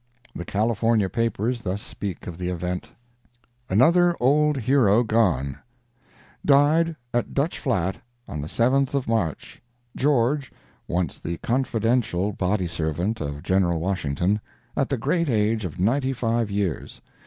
The California papers thus speak of the event: ANOTHER OLD HERO GONE Died, at Dutch Flat, on the 7th of March, George (once the confidential body servant of General Washington), at the great age of 95 years.